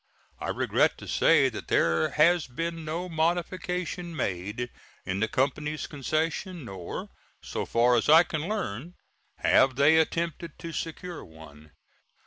I regret to say that there has been no modification made in the company's concession, nor, so far as I can learn, have they attempted to secure one.